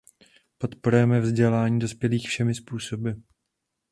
Podporujme vzdělávání dospělých všemi způsoby.